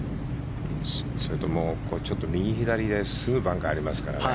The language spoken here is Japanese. それとちょっと右左にすぐバンカーがありますからね。